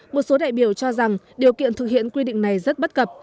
một số đại biểu cho rằng điều kiện thực hiện quy định này rất bất cập